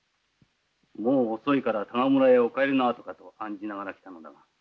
もう遅いから多賀村へお帰りのあとかと案じながら来たのだが。